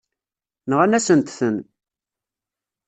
Nɣan-asent-ten.